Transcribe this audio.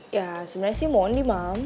ya sebenarnya sih monde mam